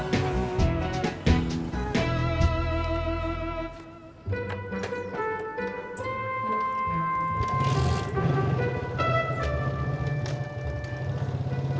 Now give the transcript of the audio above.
nanti aku coba